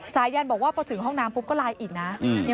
สายันบอกว่าพอถึงห้องน้ำปุ๊บก็ไลน์อีกนะ